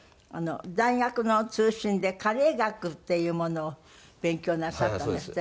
大学の通信で加齢学っていうものを勉強なさったんですってね。